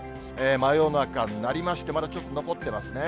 真夜中になりまして、まだちょっと残ってますね。